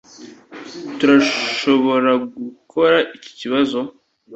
Turashoboragukora iki kibazo?